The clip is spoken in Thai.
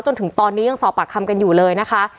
จนถึงตอนนี้ยังสอบปากคำกันอยู่เลยนะคะ